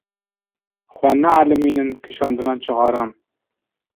Xwe neelîmînin kişandina cixaran.